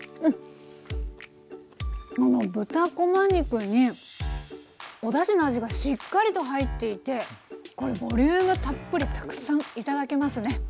豚こま肉におだしの味がしっかりと入っていてこれボリュームたっぷりたくさん頂けますね！